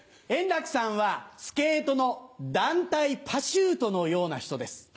円楽さんはスケートの団体パシュートのような人です。